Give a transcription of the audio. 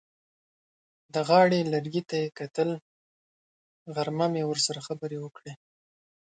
د غاړې لرګي ته یې کتل: غرمه مې ورسره خبرې وکړې.